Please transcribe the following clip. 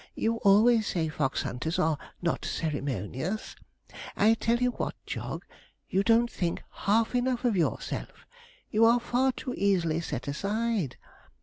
You always say fox hunters are not ceremonious. I tell you what, Jog, you don't think half enough of yourself. You are far too easily set aside.